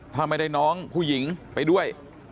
ถ้าไม่ได้น้องผู้หญิงไปด้วย